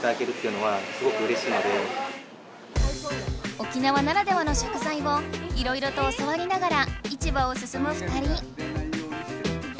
沖縄ならではの食材をいろいろと教わりながら市場をすすむ２人。